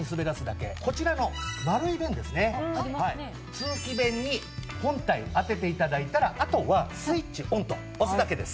通気弁に本体を当てて頂いたらあとはスイッチオンと押すだけです。